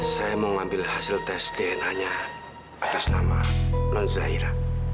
saya mau ambil hasil tes dna nya atas nama non zahira